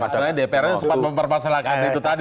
karena dpr sempat mempermasalahkan itu tadi